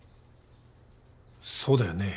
そうだよね。